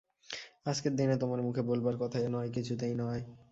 আজকের দিনে তোমার মুখে বলবার কথা এ নয়, কিছুতেই নয়।